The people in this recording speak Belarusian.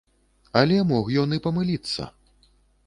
Але мог ён і памыліцца.